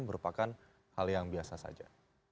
merupakan hal yang biasa saja